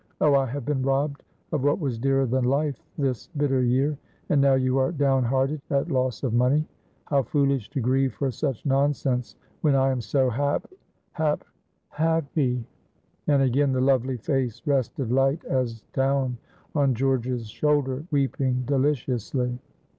"Oh, I have been robbed of what was dearer than life this bitter year, and now you are down hearted at loss of money. How foolish to grieve for such nonsense when I am so hap hap happy!" and again the lovely face rested light as down on George's shoulder, weeping deliciously.